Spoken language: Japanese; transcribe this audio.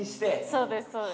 ◆そうです、そうです。